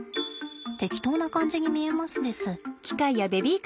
適当な感じに見えますです。